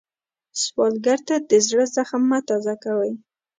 سوالګر ته د زړه زخم مه تازه کوئ